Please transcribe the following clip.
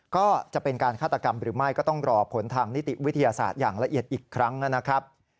ก็จะเป็นการฆาตกรรมหรือไม่ก็ต้องรอผลทางนิติวิทยาศาสตร์อย่างละเอียดอีกครั้งนะครับ